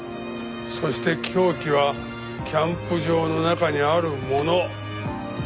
そして凶器はキャンプ場の中にあるもの。